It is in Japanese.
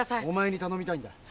お前に頼みたいんだ。